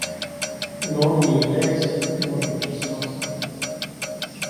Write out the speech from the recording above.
Но он не является и не может быть самоцелью.